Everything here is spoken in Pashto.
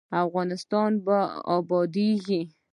افغانستان به ابادیږي؟